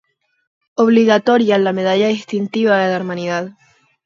Obligatoria la medalla distintiva de la Hermandad.